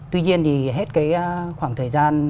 tuy nhiên thì hết cái khoảng thời gian